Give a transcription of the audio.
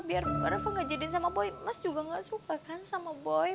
biar reva gak jadiin sama boy mas juga gak suka kan sama boy